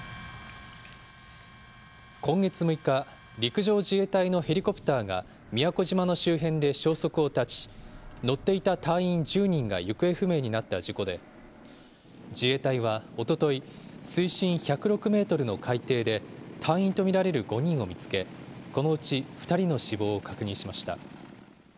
今月６日、陸上自衛隊のヘリコプターが宮古島の周辺で消息を絶ち、乗っていた隊員１０人が行方不明になった事故で、自衛隊はおととい、水深１０６メートルの海底で隊員と見られる５人を見つけ、このうち２人の死亡を確認しました。